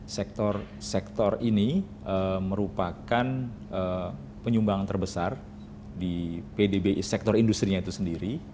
sektor sektor ini merupakan penyumbangan terbesar di pdb sektor industri itu sendiri